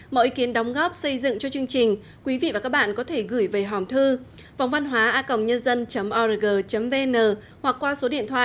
mọi ý kiến đóng góp xây dựng cho chương trình quý vị và các bạn có thể gửi về hòm thư vongvănhoaacongnhân dân org vn hoặc qua số điện thoại hai trăm bốn mươi ba hai trăm sáu mươi sáu chín nghìn năm trăm linh tám